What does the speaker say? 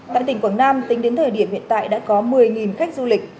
tại tỉnh quảng nam tính đến thời điểm hiện tại đã có một mươi khách du lịch